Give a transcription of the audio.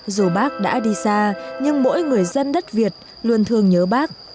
dù bác đã đi xa nhưng mỗi người dân đất việt luôn thương nhớ bác